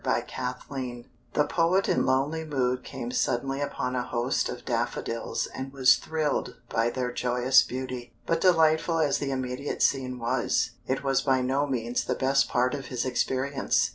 THE DAFFODILS The poet in lonely mood came suddenly upon a host of daffodils and was thrilled by their joyous beauty. But delightful as the immediate scene was, it was by no means the best part of his experience.